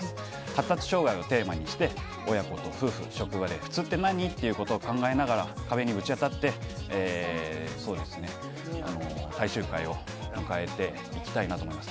発達障害をテーマにして親子と夫婦職場で、普通って何？ということを考えながら壁にぶち当たって、最終回を迎えていきたいなと思います。